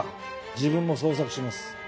自分も捜索します。